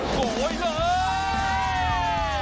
โกยเลย